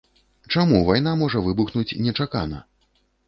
Чаму вайна можа выбухнуць нечакана?